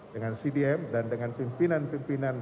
dengan cdm dan dengan pimpinan pimpinan